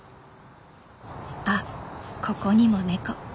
あっここにもネコ。